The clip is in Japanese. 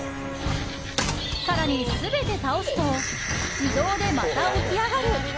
更に、全て倒すと自動でまた起き上がる！